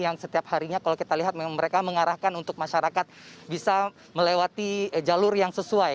yang setiap harinya kalau kita lihat memang mereka mengarahkan untuk masyarakat bisa melewati jalur yang sesuai